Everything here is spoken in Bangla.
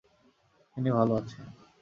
তিনি ভালো আছেন।